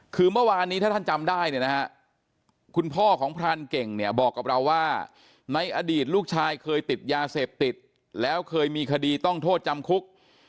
คือเมื่อวานนี้ถ้าท่านจำได้เนี่ยนะฮะคุณพ่อของพรานเก่งเนี่ยบอกกับเราว่าในอดีตลูกชายเคยติดยาเสพติดแล้วเคยมีคดีต้องโทษจำคุก